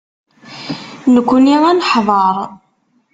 Nekkni ad neḥḍer.